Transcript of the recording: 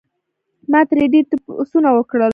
ما ترې ډېر تپوسونه وکړل